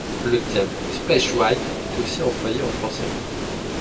Le terme Splashed White est aussi employé en français.